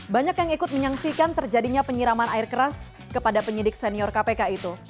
banyak yang ikut menyaksikan terjadinya penyiraman air keras kepada penyidik senior kpk itu